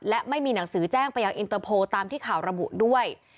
และไม่มีหนังสือแจ้งไปยังอินเตอร์โพลตามที่ข่าวระบุด้วย